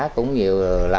cũng nhiều lần